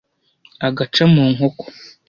Agaca mu nkoko.